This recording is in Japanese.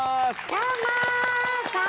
どうも！